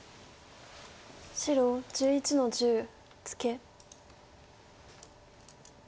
白１１の十ツケ。